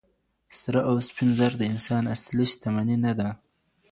سره او سپین زر د انسان اصلي شتمني نه ده.